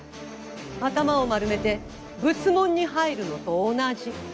頭を丸めて仏門に入るのと同じ。